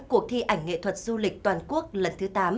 cuộc thi ảnh nghệ thuật du lịch toàn quốc lần thứ tám